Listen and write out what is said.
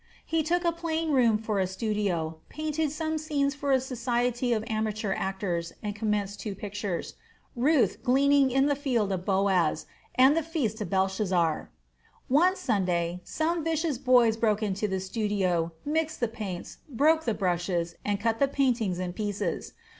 He took a plain room for a studio, painted some scenes for a society of amateur actors, and commenced two pictures, Ruth gleaning in the field of Boaz, and the feast of Belshazzar. One Sunday, some vicious boys broke into the studio, mixed the paints, broke the brushes, and cut the paintings in pieces.